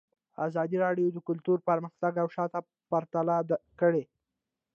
ازادي راډیو د کلتور پرمختګ او شاتګ پرتله کړی.